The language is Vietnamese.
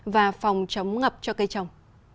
và phòng chống ngập cho cây trồng